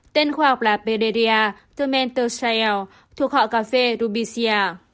tên khoa học là pederia tormentosae thuộc họ cà phê rubicia